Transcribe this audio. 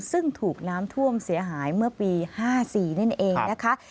ซึ่งถูกน้ำท่วมเสียหายเมื่อปี๕๔นั่นเองนะคะ